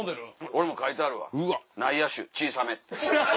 俺も書いてあるわ「内野手小さめ」って。